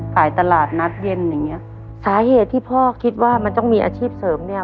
ตลาดนัดเย็นอย่างเงี้ยสาเหตุที่พ่อคิดว่ามันต้องมีอาชีพเสริมเนี้ย